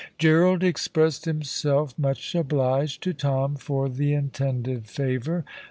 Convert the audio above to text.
Gerald expressed himself much obliged to Tom for the intended favour.